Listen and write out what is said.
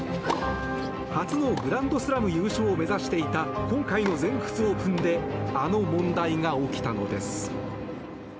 初のグランドスラム優勝を目指していた今回の全仏オープンであの問題が起きたのです。